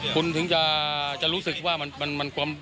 คุณถึงจะรู้สึกว่ามันความ